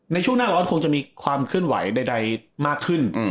ในช่วงหน้าร้อนคงจะมีความเคลื่อนไหวใดมากขึ้น